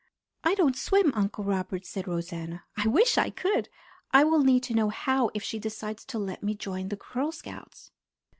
"I don't swim, Uncle Robert," said Rosanna. "I wish I could! I will need to know how if she decides to let me join the Girl Scouts."